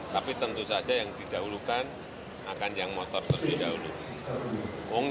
tapi tentu saja yang didahulukan akan yang motor terdahuluk